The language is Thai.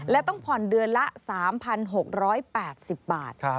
และต้องผ่อนเดือนละ๓๖๘๐บาท